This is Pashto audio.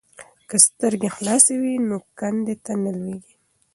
که سترګې خلاصې وي نو کندې ته نه لویږي.